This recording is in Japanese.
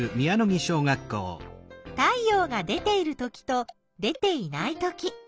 太陽が出ているときと出ていないとき。